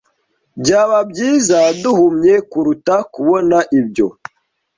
Byaba byiza duhumye kuruta kubona ibyo. (pne)